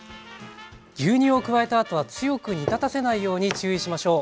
牛乳を加えたあとは強く煮立たせないように注意しましょう。